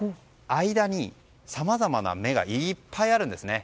間に、さまざまな芽がいっぱいあるんですね。